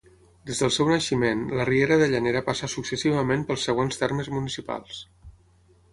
Des del seu naixement, la Riera de Llanera passa successivament pels següents termes municipals.